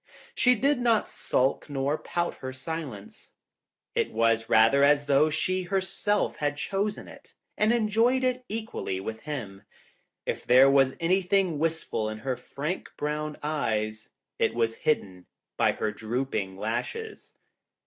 She did not sulk nor pout her silence. It was 82 rather as though she herself had chosen it and enjoyed it equally with him. If there was any thing wistful in her frank, brown eyes, it was hidden by her drooping lashes.